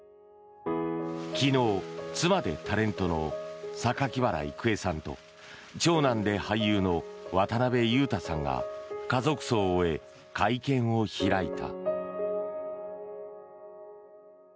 昨日妻でタレントの榊原郁恵さんと長男で俳優の渡辺裕太さんが家族葬を終え会見を開いた。